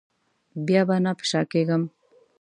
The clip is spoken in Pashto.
بیا به نه په شا کېږم.